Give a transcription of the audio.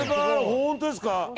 本当ですか。